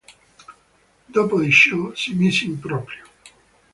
Dopo di ciò, si mise in proprio.